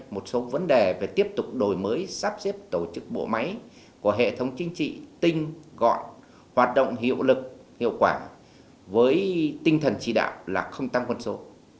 một số vấn đề về tiếp tục đổi mới sắp xếp tổ chức bộ máy của hệ thống chính trị tinh gọn hoạt động hiệu lực hiệu quả với tinh thần chỉ đạo là không tăng quân số